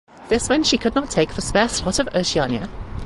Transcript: This meant she could not take the spare slot of Oceania.